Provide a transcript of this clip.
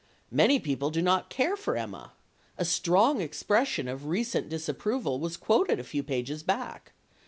Many people do not care for Emma. A strong expression of recent disapproval was quoted a few pages back.